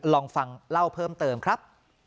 ลองฟังเล่าเพิ่มเติมครับ